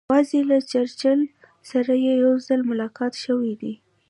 یوازې له چرچل سره یې یو ځل ملاقات شوی دی.